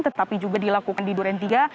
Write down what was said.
tetapi juga dilakukan di durentiga